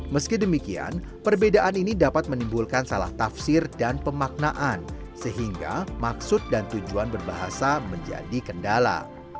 meski demikian perbedaan ini dapat menimbulkan salah tafsir dan pemaknaan sehingga maksud dan tujuan berbahasa menjadi kendala